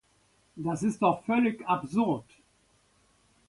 Das ist doch völlig absurd!